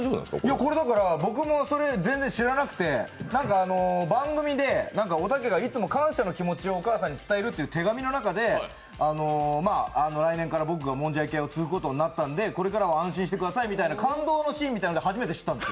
これ僕も全然知らなくて番組でおたけがいつも感謝の気持ちをお母さんに伝えるって手紙の中で来年から僕がもんじゃ焼きを継ぐことになったんでこれからは安心してくださいみたいな感動のシーンで僕も初めて知ったんです。